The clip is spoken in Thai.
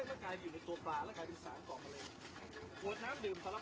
จะไปอยู่อาจารย์คนใหม่แล้วหรือเปล่า